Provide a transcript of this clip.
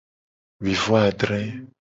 Wi vo adre.